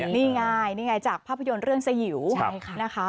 นี่ไงนี่ไงจากภาพยนตร์เรื่องสยิวนะคะ